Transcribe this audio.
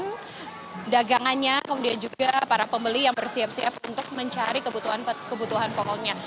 kemudian dagangannya kemudian juga para pembeli yang bersiap siap untuk mencari kebutuhan pokoknya